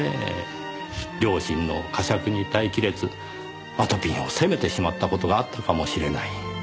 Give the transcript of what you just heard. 良心の呵責に耐え切れずあとぴんを責めてしまった事があったかもしれない。